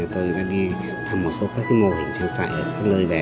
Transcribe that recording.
tôi đã đi thăm một số các mô hình trang trại ở các nơi bé